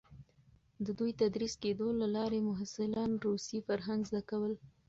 د دوی تدریس کېدو له لارې محصلان روسي فرهنګ زده کول.